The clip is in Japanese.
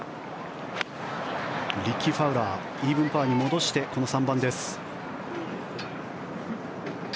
リッキー・ファウラーイーブンパーに戻してこの３番です。